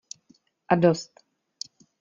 A dost!